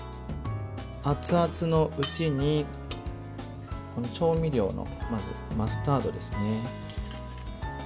熱々のうちに調味料のマスタードですね。